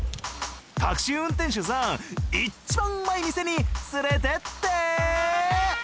タクシー運転手さん一番うまい店に連れてって！